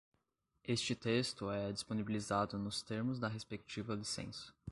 Este texto é disponibilizado nos termos da respectiva licença.